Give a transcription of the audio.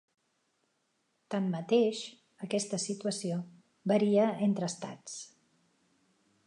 Tanmateix, aquesta situació varia entre estats.